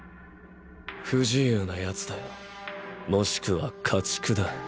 不自由な奴だよ。もしくは家畜だ。